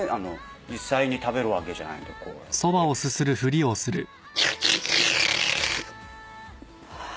実際に食べるわけじゃないんでこうやって。